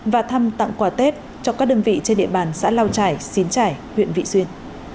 và thăm tặng quà tết cho các đơn vị trên địa bàn xã lao trải xín trải huyện vị xuyên